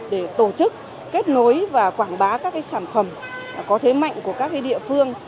để tổ chức kết nối và quảng bá các sản phẩm có thế mạnh của các địa phương